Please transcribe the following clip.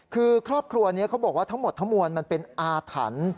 คือครอบครัวนี้เขาบอกว่าทั้งหมดทั้งมวลมันเป็นอาถรรพ์